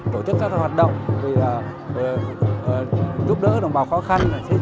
tổ chức các hoạt động giúp đỡ đồng bào khó khăn